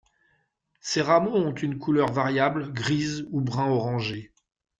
Ces rameaux ont une couleur variable, grise ou brun-orangé.